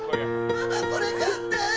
ママこれ買って！